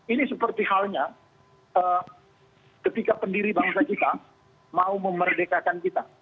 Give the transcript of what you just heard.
ini seperti halnya ketika pendiri bangsa kita mau memerdekakan kita